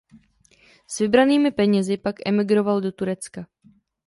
S vybranými penězi pak emigroval do Turecka.